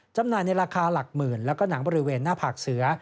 จำหน่ายในราคาหลักหมื่นแล้วก็หนังบริเวณหน้าผากเสือ